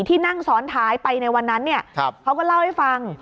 ที่นั่งซ้อนท้ายไปในวันนั้นเขาก็เล่าให้ฟัง